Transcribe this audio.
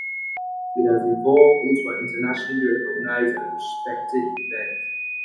It has evolved into an internationally recognized and respected event.